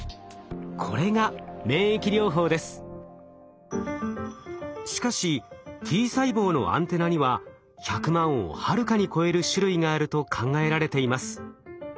これがしかしＴ細胞のアンテナには１００万をはるかに超える種類があると考えられています。